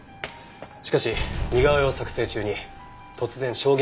しかし似顔絵を作成中に突然証言を翻した。